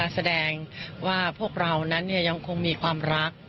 แสดงว่าพวกเรานั้นยังคงมีความรัก